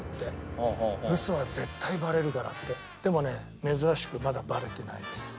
でもね珍しくまだバレてないです。